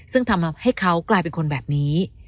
ซึ่งทำให้เขากลายเป็นคนแบบนี้